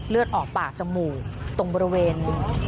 เลือดออกปากจมูกตรงบริเวณ